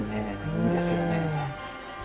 いいですよね。